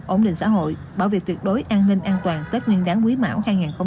ổn định xã hội bảo vệ tuyệt đối an ninh an toàn tết nguyên đáng quý mão hai nghìn hai mươi bốn